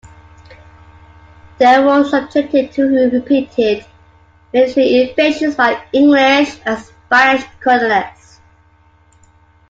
They were subjected to repeated military invasions by English and Spanish colonists.